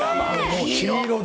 黄色で。